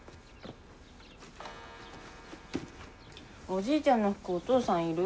おじいちゃんの服お父さんいる？